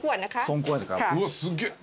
うわすげえ。